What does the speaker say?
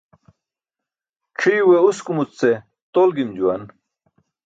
C̣ʰiyuwe uskumuc ce tol gim juwan.